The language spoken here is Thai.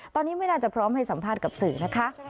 ตอนนี้ไม่น่าจะพร้อมให้สัมภาษณ์กับสื่อนะคะ